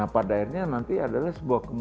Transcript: nah pada akhirnya nanti adalah sebuah kembang